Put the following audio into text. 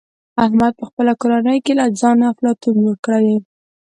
احمد په خپله کورنۍ کې له ځانه افلاطون جوړ کړی دی.